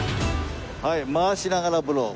はい回しながらブロー。